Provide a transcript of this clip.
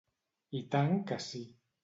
I tant que sí.